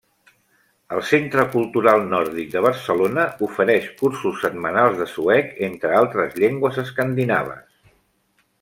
El Centre Cultural Nòrdic de Barcelona ofereix cursos setmanals de suec, entre altres llengües escandinaves.